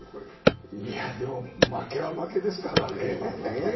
でも負けは負けですからね。